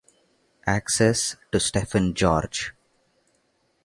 Access to Stefan George.